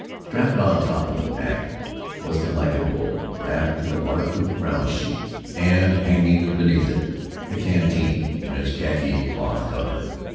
Strapped on top of the pack was the blanket roll wrapped in a waterproof ground sheet; and hanging beneath it, the canteen in its khaki cloth cover.